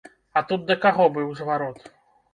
А тут да каго быў зварот?